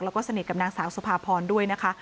แล้วก็สนิทกับนางสาวสุภาพรด้วยนะคะ